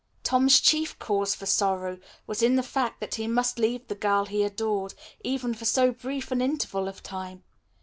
Tom's chief cause for sorrow was in the fact that he must leave the girl he adored, even for so brief an interval of time.